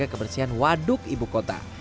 kebersihan waduk ibu kota